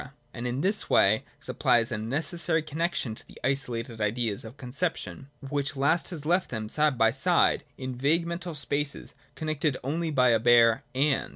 and in this way supplies a necessary connexion to the isolated ideas of conception ; which last has left them side by side in its vague mental spaces, connected only by a bare ' and.'